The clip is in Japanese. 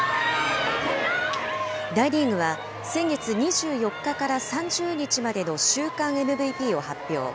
大リーグは先月２４日から３０日までの週間ＭＶＰを発表。